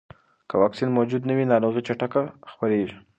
که واکسین موجود نه وي، ناروغي چټکه خپرېږي.